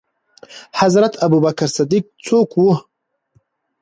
حضرت ابوبکر صديق څوک وو؟